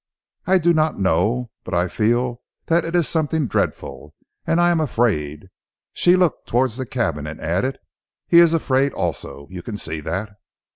"I do not know, but I feel that it is something dreadful and I am afraid." She looked towards the cabin, and added, "He is afraid also. You can see that!"